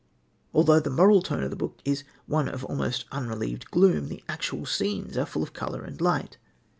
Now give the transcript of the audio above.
Although the moral tone of the book is one of almost unrelieved gloom, the actual scenes are full of colour and light.